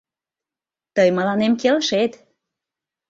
Тый мыланем келшет.